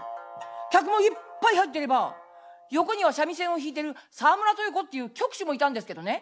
客もいっぱい入ってれば横には三味線を弾いてる沢村豊子っていう曲師もいたんですけどね。